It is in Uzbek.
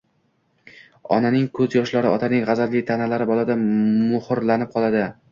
onaning ko‘z yoshlari, otaning g‘azabli ta’nalari bolada muhrlanib qoladi.